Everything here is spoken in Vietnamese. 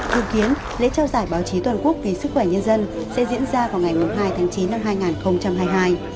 dự kiến lễ trao giải báo chí toàn quốc vì sức khỏe nhân dân sẽ diễn ra vào ngày hai tháng chín năm hai nghìn hai mươi hai